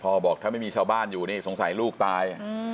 บอกถ้าไม่มีชาวบ้านอยู่นี่สงสัยลูกตาย